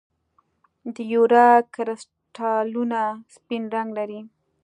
د یوریا کرسټلونه سپین رنګ لري.